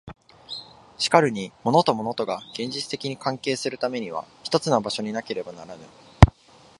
しかるに物と物とが現実的に関係するためには一つの場所になければならぬ。